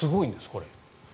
これ。